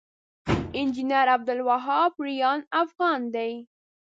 انجنير عبدالوهاب ريان افغان دی